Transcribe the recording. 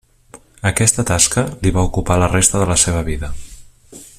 Aquesta tasca li va ocupar la resta de la seva vida.